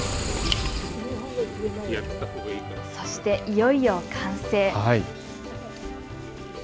そして、いよいよ完成。